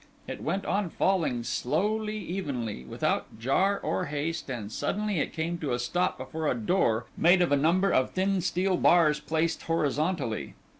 It went on falling slowly, evenly, without jar or haste, and suddenly it came to a stop before a door made of a number of thin steel bars placed horizontally.